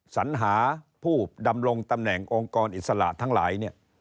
สัญหาผู้ดำรงตำแหน่งองค์กรอิสระทั้งหลายเนี่ย